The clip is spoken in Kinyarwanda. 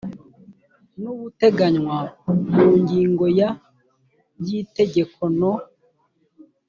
n ubuteganywa mu ngingo ya y itegeko no